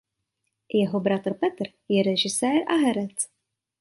Jeho bratr Peter je režisér a herec.